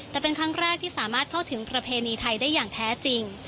แต่เป็นครั้งแรกที่สามารถเข้าถึงประเพณีไทยได้อย่างแท้จริง